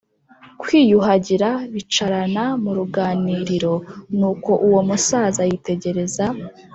kwiyuhagira, bicarana mu ruganiriro. Nuko uwo musaza yitegereza